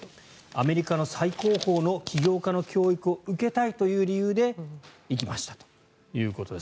アメリカの最高峰の起業家の教育を受けたいという理由で行きましたということです。